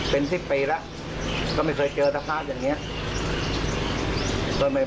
เป็นสิบปีแล้วไม่เคยเจอสภาพศพอย่างเนี่ย